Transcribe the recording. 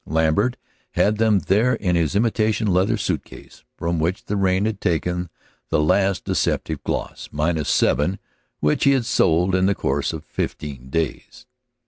Lambert had them there in his imitation leather suit case from which the rain had taken the last deceptive gloss minus seven which he had sold in the course of fifteen days.